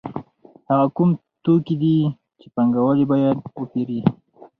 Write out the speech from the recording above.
هغه کوم توکي دي چې پانګوال یې باید وپېري